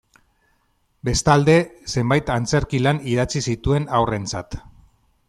Bestalde, zenbait antzerki-lan idatzi zituen haurrentzat.